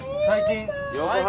最近。